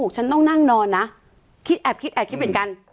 ฉันต้องนั่งนอนนะแอปคลิปแอบคลิปเห็นกัน